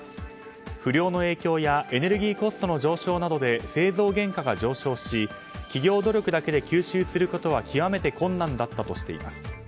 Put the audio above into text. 不漁の影響やエネルギーコストの上昇などで製造原価が上昇し企業努力だけで吸収することは極めて困難だったとしています。